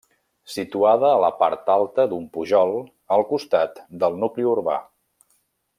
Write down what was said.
Situada a la part alta d'un pujol al costat del nucli urbà.